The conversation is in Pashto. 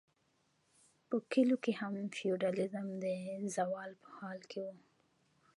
په کلیو کې هم فیوډالیزم د زوال په حال و.